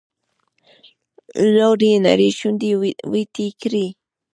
لور يې نرۍ شونډې ويتې کړې.